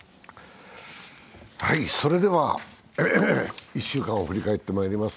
それでは１週間を振り返ってまいります。